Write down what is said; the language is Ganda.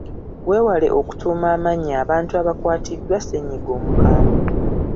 Weewale okutuuma amannya abantu abakwatiddwa ssennyiga omukambwe.